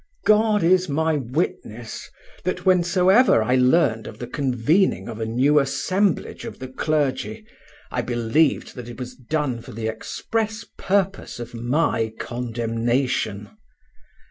God is my witness that whensoever I learned of the convening of a new assemblage of the clergy, I believed that it was done for the express purpose of my condemnation.